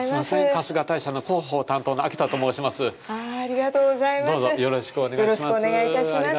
春日大社の広報担当の秋田と申します。